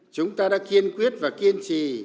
chúng ta đã kiên quyết và kiên trì